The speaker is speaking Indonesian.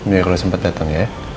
iya kalau sempet datang ya